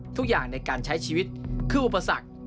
ทุกอย่างในการใช้ชีวิตคืออุปสรรค